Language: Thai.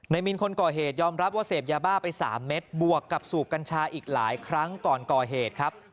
มินคนก่อเหตุยอมรับว่าเสพยาบ้าไป๓เม็ดบวกกับสูบกัญชาอีกหลายครั้งก่อนก่อเหตุครับ